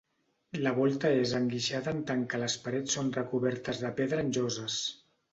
La volta és enguixada en tant que les parets són recobertes de pedra en lloses.